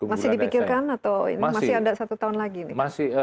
masih dipikirkan atau masih ada satu tahun lagi